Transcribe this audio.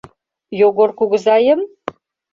— Йогор кугызайым?